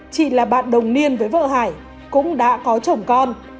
chị là bạn đồng niên với vợ hải cũng đã có chồng con